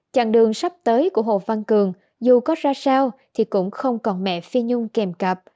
chặn đường sắp tới của hồ văn cường dù có ra sao thì cũng không còn mẹ phi nhung kèm cặp